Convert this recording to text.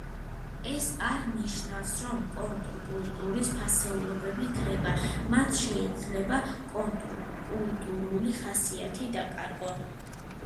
ეს არ ნიშნავს, რომ კონტრკულტურის ფასეულობები ქრება, მათ შეიძლება კონტრკულტურული ხასიათი დაკარგონ.